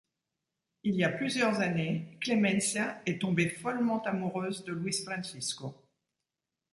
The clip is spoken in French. Il y a plusieurs années, Clémencia est tombée follement amoureuse de Luis Francisco.